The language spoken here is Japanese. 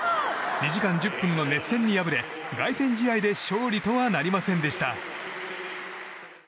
２時間１０分の熱戦に敗れ凱旋試合で勝利とはなりませんでした。